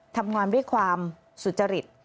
ทำงานด้วยความสุจริต